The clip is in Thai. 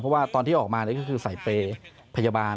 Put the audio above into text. เพราะว่าตอนที่ออกมาก็คือใส่เปรย์พยาบาล